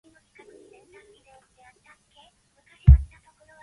Above this was a third mudbrick vault.